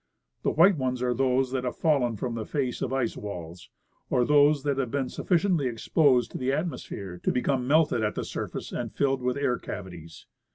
The white ones are those that have fallen from the face of the ice walls or those that have been sufficiently exposed to the atmosphere to become melted at the surface and filled with air cavities.